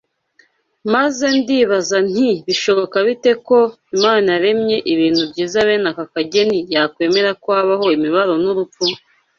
maze ndibaza nti ‘bishoboka bite ko Imana yaremye ibintu byiza bene aka kageni, yakwemera ko habaho imibabaro n’urupfu?’